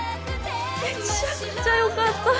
めちゃくちゃよかった